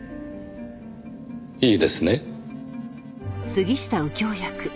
いいですね？